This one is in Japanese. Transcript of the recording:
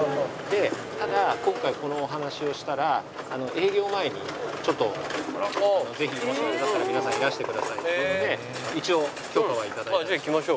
でただ今回このお話をしたら営業前にちょっとぜひもしあれだったら皆さんいらしてくださいというので一応許可は頂いてます。